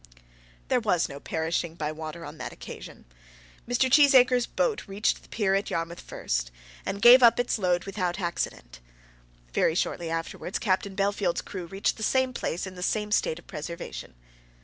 There was no perishing by water on that occasion. Mr. Cheesacre's boat reached the pier at Yarmouth first, and gave up its load without accident. Very shortly afterwards Captain Bellfield's crew reached the same place in the same state of preservation.